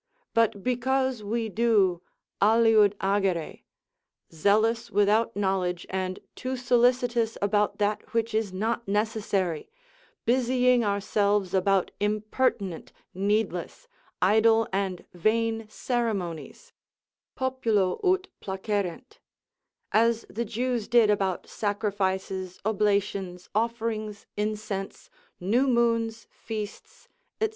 But because we do aliud agere, zealous without knowledge, and too solicitous about that which is not necessary, busying ourselves about impertinent, needless, idle, and vain ceremonies, populo ut placerent, as the Jews did about sacrifices, oblations, offerings, incense, new moons, feasts, &c.